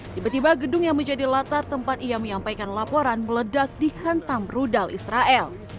tiba tiba gedung yang menjadi latar tempat ia menyampaikan laporan meledak dihantam rudal israel